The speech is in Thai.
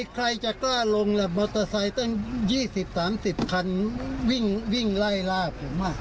ใครจะกล้าลงล่ะมอเตอร์ไซค์ตั้ง๒๐๓๐คันวิ่งไล่ล่าผม